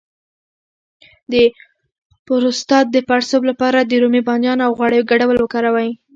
د پروستات د پړسوب لپاره د رومي بانجان او غوړیو ګډول وکاروئ